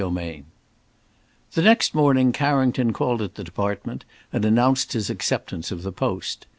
Chapter X THE next morning Carrington called at the Department and announced his acceptance of the post.